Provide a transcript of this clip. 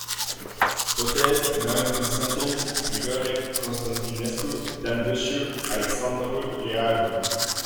Botez, Marin Constantin, Grigore Constantinescu, Dan Buciu, Alexandru Leahu.